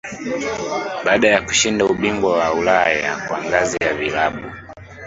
Baada ya kushinda ubingwa wa Ulaya kwa ngazi ya vilabu